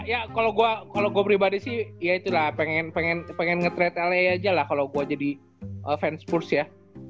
ya kalau gue pribadi sih ya itulah pengen nge trade lay aja lah kalau gue jadi fans purs ya